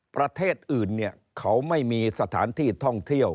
ประเทศอื่นเนี่ยเขาไม่มีสถานที่ท่องเที่ยว